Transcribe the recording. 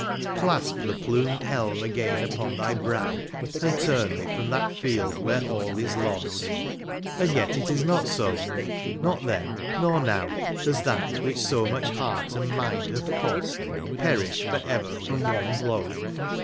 Clasp the plumed helm again upon thy brow. And turn thee from that field where all is lost ; And yet it is not so ; not then, nor now. Does that which so much heart and mind hath cost Perish for ever from one blow.